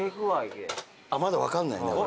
まだ分かんないねこれ。